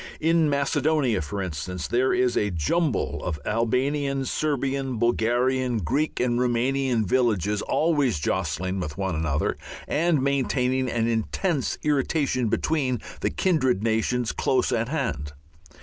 In Macedonia, for instance, there is a jumble of Albanian, Serbian, Bulgarian, Greek and Rumanian villages always jostling one another and maintaining an intense irritation between the kindred nations close at hand.